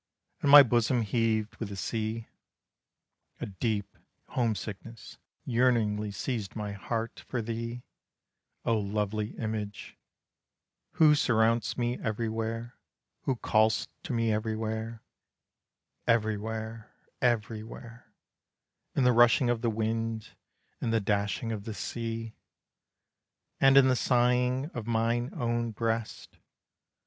And my bosom heaved with the sea, A deep homesickness yearningly seized my heart For thee, oh lovely image, Who surround'st me everywhere, Who call'st to me everywhere, Everywhere, everywhere, In the rushing of the wind, in the dashing of the sea, And in the sighing of mine own breast.